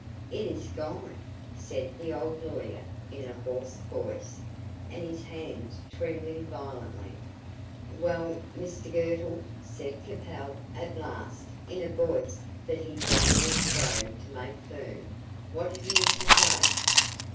"It is gone!" said the old lawyer, in a hoarse voice, and his hands trembling violently. "Well, Mr Girtle," said Capel, at last, in a voice that he vainly strove to make firm; "what have you to say?"